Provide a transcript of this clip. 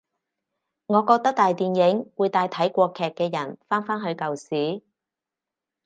我覺得大電影會帶睇過劇嘅人返返去舊時